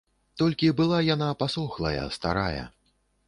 Толькі была яна пасохлая, старая.